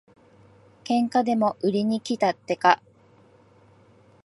喧嘩でも売りにきたってか。